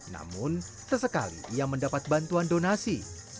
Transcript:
namun terserah sekali yang mendapat bantuan donasi